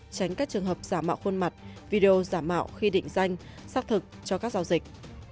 tránh các trường hợp giả mạo khuôn mặt video giả mạo khi định danh xác thực cho các giao dịch